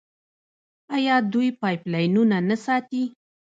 آیا دوی پایپ لاینونه نه ساتي؟